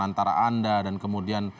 antara anda dan kemudian